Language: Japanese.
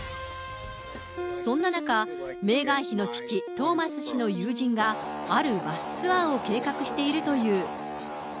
そんな中、メーガン妃の父、トーマス氏の友人が、あるバスツアーを計画しているという。